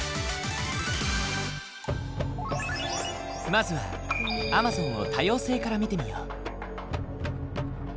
まずはアマゾンを多様性から見てみよう。